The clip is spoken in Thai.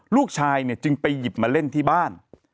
ลูกชายเนี่ยจึงไปหยิบมาเล่นที่บ้าน